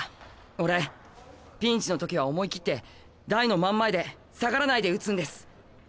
俺ピンチの時は思い切って台の真ん前で下がらないで打つんです。